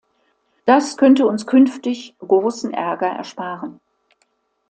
Das könnte uns künftig großen Ärger ersparen.